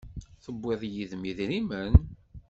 Tewwiḍ-d yid-m idrimen?